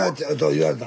言われた。